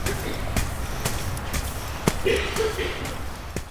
Součástí fakulty jsou i specializovaná čtyři výzkumná pracoviště.